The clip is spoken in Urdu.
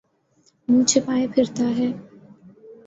منہ چھپائے پھرتاہے۔